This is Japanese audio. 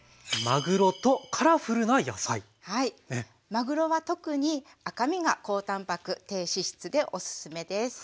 まぐろは特に赤身が高たんぱく低脂質でおすすめです。